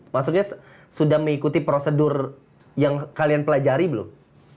maksudnya sudah mengikuti prosedur yang kalian pelajari belum